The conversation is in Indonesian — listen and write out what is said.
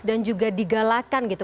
dan juga digalakan gitu